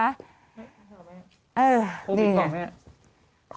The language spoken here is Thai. โควิดป่าวแม่